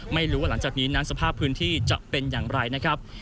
ไม่รู้ว่าหลังจากนี้นั้นสภาพพื้นที่จะเป็นอย่างไรนะครับ